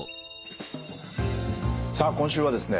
さあ今週はですね